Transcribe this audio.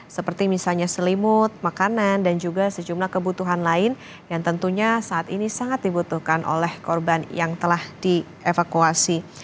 seperti misalnya selimut makanan dan juga sejumlah kebutuhan lain yang tentunya saat ini sangat dibutuhkan oleh korban yang telah dievakuasi